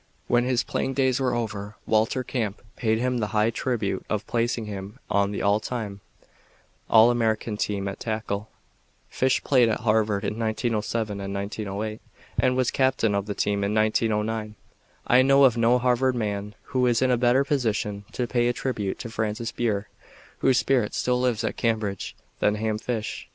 When his playing days were over Walter Camp paid him the high tribute of placing him on the All Time, All American team at tackle. Fish played at Harvard in 1907 and 1908, and was captain of the team in 1909. I know of no Harvard man who is in a better position to pay a tribute to Francis Burr, whose spirit still lives at Cambridge, than Ham Fish.